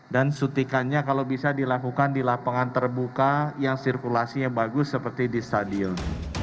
dan sutikannya kalau bisa dilakukan di lapangan terbuka yang sirkulasinya bagus seperti di stadion